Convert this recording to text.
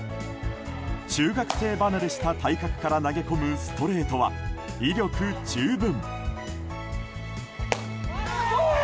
中学生離れした体格から投げ込むストレートは威力十分。